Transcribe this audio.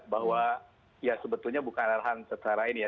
bahwa ya sebetulnya bukan arahan secara ini ya